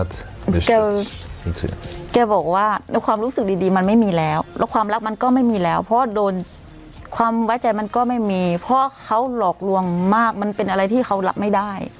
แกก็บอกว่าในความรู้สึกดีมันไม่มีแล้วแล้วความรักมันก็ไม่มีแล้วเพราะโดนความไว้ใจมันก็ไม่มีเพราะเขาหลอกลวงมากมันเป็นอะไรที่เขารับไม่ได้